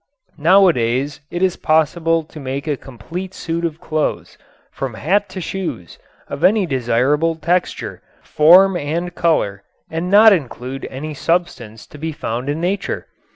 Nowadays it is possible to make a complete suit of clothes, from hat to shoes, of any desirable texture, form and color, and not include any substance to be found in nature.